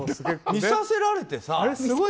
見させられてさ。